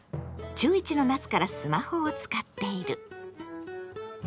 中１の夏からスマホを使っている。